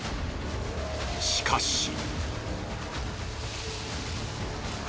しかし。